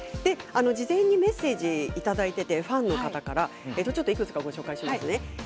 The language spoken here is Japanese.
事前にメッセージをいただいていてファンの方からいくつかご紹介します。